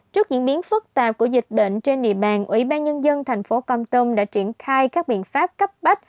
trước diễn biến phức tạp của dịch bệnh trên địa bàn ủy ban nhân dân thành phố con tum đã triển khai các biện pháp cấp bách